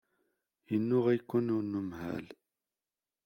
Yennuɣ-iken unemhal.